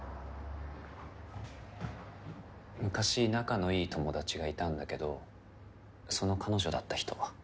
昔仲のいい友達がいたんだけどその彼女だった人。